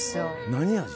何味？